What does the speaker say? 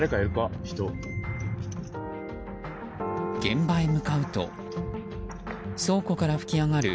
現場へ向かうと倉庫から噴き上がる